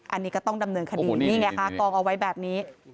อันนี้ก็ต้องดำเนินคดีนี่ไงค่ะกองเอาไว้แบบนี้